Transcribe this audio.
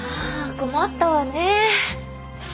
困ったわね。